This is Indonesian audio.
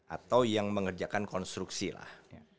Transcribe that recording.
atau yang mengerjakan konstruksi lah